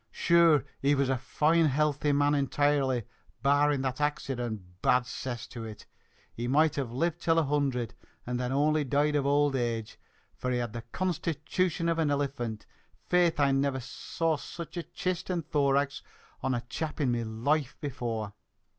"Sure, and he was a foine, h'ilthy man entirely, barrin' that accident, bad cess to it! He moight have lived till a hundred, an' then aunly died of auld age; for he'd the constitution of an illiphent. Faith, I never saw such a chist and thorax on a chap in me loife before!"